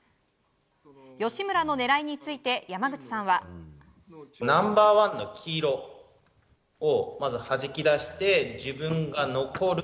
吉村の狙いについて山口さんは。ナンバーワンの黄色をはじき出して自分が残る。